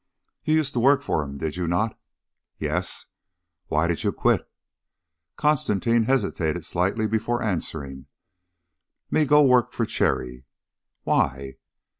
"You used to work for him, did you not?" "Yes." "Why did you quit?" Constantine hesitated slightly before answering: "Me go work for Cherry." "Why?"